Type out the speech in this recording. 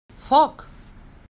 Foc!